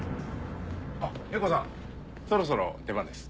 あっＥＩＫＯさんそろそろ出番です。